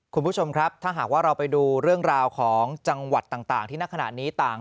คุณผู้ชมครับถ้าหากว่าเราไปดูเรื่องราวของจังหวัดต่างที่นักขณะนี้ต่าง